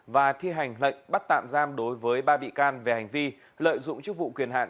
và thi hành lệnh bắt tạm giam đối với ba bị can về hành vi lợi dụng chức vụ quyền hạn